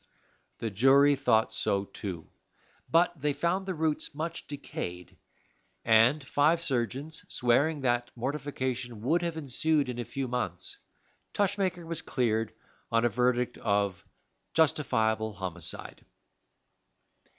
The jury thought so, too, but they found the roots much decayed; and five surgeons swearing that mortification would have ensued in a few months, Tushmaker was cleared on a verdict of "justifiable homicide."